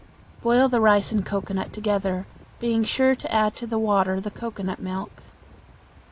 Boil the rice and cocoanut together, being sure to add to the water the cocoanut milk.